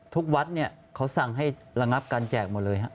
ทุกวัดเขาสั่งให้ระงับการแจกหมดเลย